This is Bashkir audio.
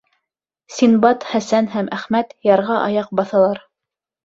Синдбад, Хәсән һәм Әхмәт ярға аяҡ баҫалар.